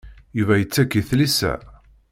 Yuba yettekk i tlisa.